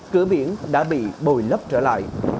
cửa biển đã bị bồi lấp trở lại